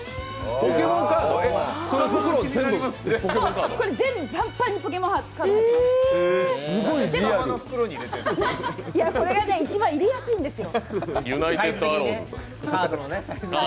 スタバの袋が一番入れやすいんですよ。